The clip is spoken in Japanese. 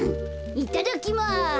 いただきます。